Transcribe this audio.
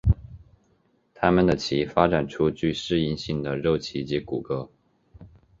它们的鳍发展出具适应性的肉鳍及骨骼。